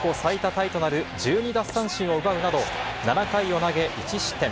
タイとなる１２奪三振を奪うなど、７回を投げ１失点。